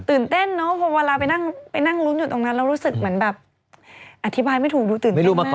ตื่นเต้นเนอะเพราะเวลาไปนั่งรุ้นอยู่ตรงนั้นเรารู้สึกเหมือนแบบอธิบายไม่ถูกดูตื่นเต้นมาก